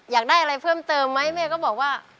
อยากได้อะไรเพิ่มเติมไหมแม่ก็บอกว่า